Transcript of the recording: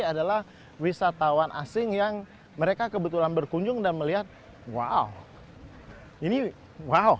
adalah wisatawan asing yang mereka kebetulan berkunjung dan melihat wow ini wow